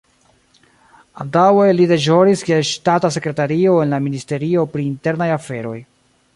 Antaŭe li deĵoris kiel ŝtata sekretario en la Ministerio pri internaj aferoj.